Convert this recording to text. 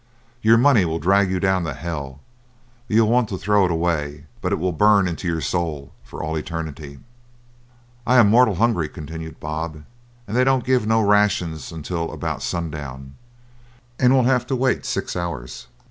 Your money will drag you down to hell; you'll want to throw it away, but it will burn into your soul for all eternity.' "I am mortal hungry," continued Bob, "and they don't give no rations until about sundown, and we'll have to wait six hours.